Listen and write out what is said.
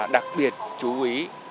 đặc biệt chú ý